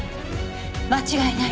間違いない。